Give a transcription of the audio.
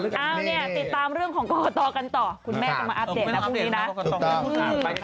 ติดตามเรื่องของโกโกะตอกันต่อ